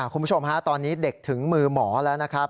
คุณผู้ชมฮะตอนนี้เด็กถึงมือหมอแล้วนะครับ